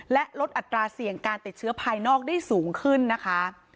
และลดอัตราเสี่ยงการติดเชื้อภายนอกได้สูงขึ้นนะคะ